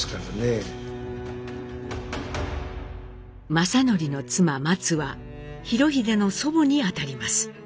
正徳の妻マツは裕英の祖母にあたります。